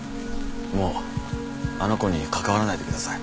もうあの子に関わらないでください。